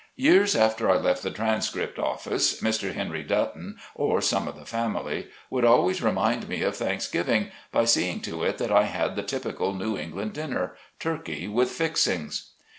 Years after I left the Transcript office, Mr. Henry MY FRIENDS. 37 Dutton, or some of the family, would always remind me of Thanksgiving, by seeing to it that I had the typical New England dinner — "turkey with fixings."